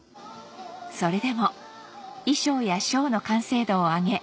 それでも衣装やショーの完成度を上げ